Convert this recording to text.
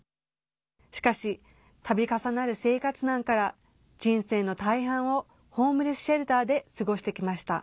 しかし、たび重なる生活難から人生の大半をホームレスシェルターで過ごしてきました。